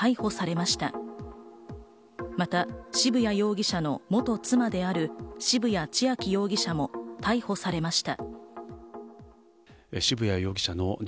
また渋谷容疑者の元妻である渋谷千秋容疑者も逮捕されました。